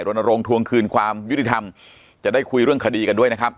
รณรงควงคืนความยุติธรรมจะได้คุยเรื่องคดีกันด้วยนะครับ